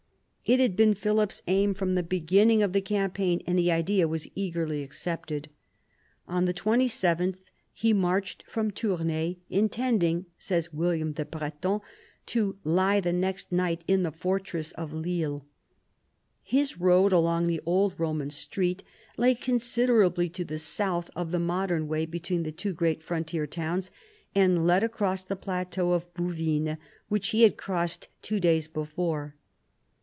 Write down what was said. It had been Philip's aim from the beginning of iv BOUVINES 99 the campaign, and the idea was eagerly accepted. On the 27th he marched from Tournai, intending, says William the Breton, to lie the next night in the fortress of Lille. His road along the old Eoman street lay considerably to the south of the modern way between the two great frontier towns, and led across the plateau of Bouvines which he had crossed two days before.